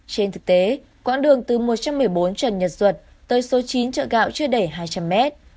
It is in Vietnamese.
trên thực tế quãng đường từ một trăm một mươi bốn trần nhật duật tới số chín chợ gạo chưa đầy hai trăm linh mét